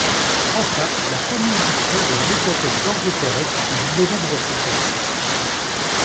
Enfin, la commune dispose de la médiathèque Georges-Perec et d’une maison des associations.